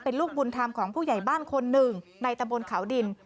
เป็นลูกบุญธรรมของผู้ใหญ่บ้านคนหนึ่งในตะบนเขาดิน